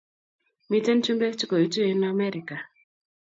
Miten chumbek che koitu en Amerika.